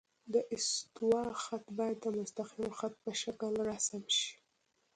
د استوا خط باید د مستقیم خط په شکل رسم شي